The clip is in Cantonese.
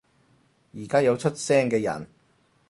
而家有出聲嘅人